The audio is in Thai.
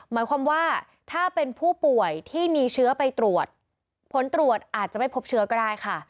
หมายความว่าถ้าเป็นผู้ป่วยที่มีเชื้อไปตรวจผลตรวจอาจจะไม่พบเชื้อก็ได้ค่ะ